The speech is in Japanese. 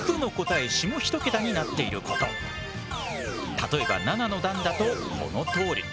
例えば７の段だとこのとおり。